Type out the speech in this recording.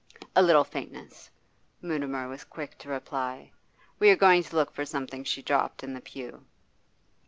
'A little faintness,' Mutimer was quick to reply. 'We are going to look for something she dropped in the pew.